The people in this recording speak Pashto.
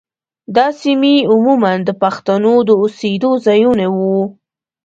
دا سیمې عموماً د پښتنو د اوسېدو ځايونه وو.